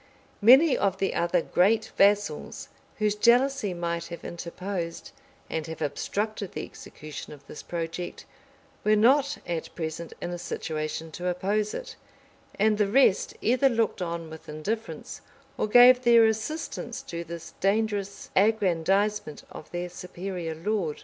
Many of the other great vassals, whose jealousy might have interposed, and have obstructed the execution of this project, were not at present in a situation to oppose it; and the rest either looked on with indifference or gave their assistance to this dangerous aggrandizement of their superior lord.